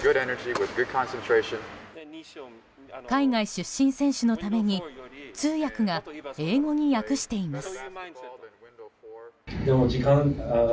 海外出身選手のために通訳が英語に訳しています。